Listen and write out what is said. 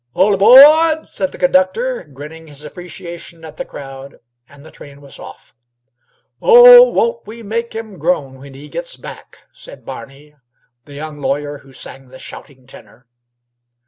"All abo o o a rd!' said the conductor, grinning his appreciation at the crowd, and the train was off. "Oh, won't we make him groan when he gets back!" said Barney, the young lawyer, who sang the shouting tenor.